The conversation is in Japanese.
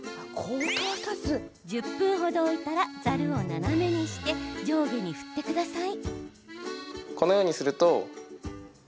１０分程置いたらざるを斜めにして上下に振ってください。